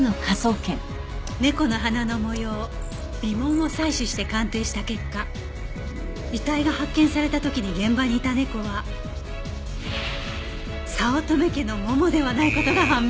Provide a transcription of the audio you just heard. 猫の鼻の模様鼻紋を採取して鑑定した結果遺体が発見された時に現場にいた猫は早乙女家のももではない事が判明したの。